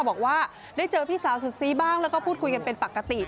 บอกว่าได้เจอพี่สาวสุดซีบ้างแล้วก็พูดคุยกันเป็นปกติ